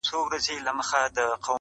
ډېري سترگي به كم كمي له سرونو!!